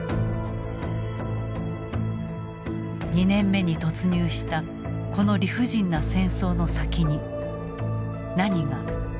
２年目に突入したこの理不尽な戦争の先に何が待ち受けているのか。